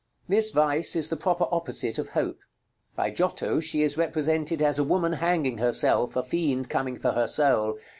This vice is the proper opposite of Hope. By Giotto she is represented as a woman hanging herself, a fiend coming for her soul.